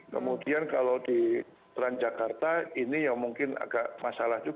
kemudian kalau di transjakarta ini yang mungkin agak masalah juga